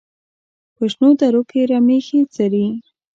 په شنو درو کې رمې ښې څري.